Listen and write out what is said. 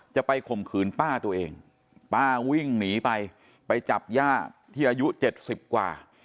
ข่มขืนป้าตัวเองป้าวิ่งหนีไปไปจับย่าที่อายุเจ็ดสิบกว่า